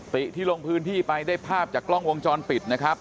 ติที่ลงพื้นที่ไปได้ภาพจากกล้องวงจรปิดนะครับ